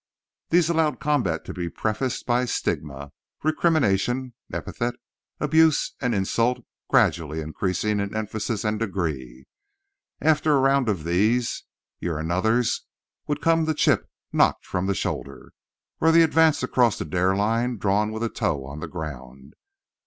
These allowed combat to be prefaced by stigma, recrimination, epithet, abuse and insult gradually increasing in emphasis and degree. After a round of these "you're anothers" would come the chip knocked from the shoulder, or the advance across the "dare" line drawn with a toe on the ground.